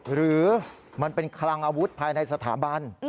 หรือมันเป็นคลังอาวุธภายในสถาบัน